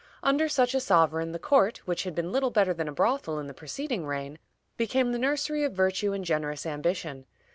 Under such a sovereign, the court, which had been little better than a brothel in the preceding reign, became the nursery of virtue and generous ambition.